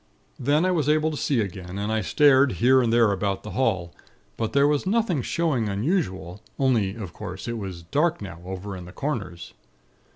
"Then, I was able to see again, and I stared here and there about the hall; but there was nothing showing unusual; only, of course, it was dark now over in the corners.